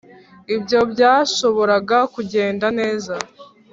ibyo byashoboraga kugenda neza